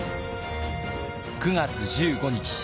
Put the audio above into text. ９月１５日